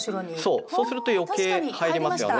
そうそうすると余計入りますよね。